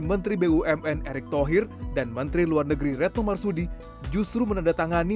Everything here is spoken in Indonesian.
menteri bumn erick thohir dan menteri luar negeri retno marsudi justru menandatangani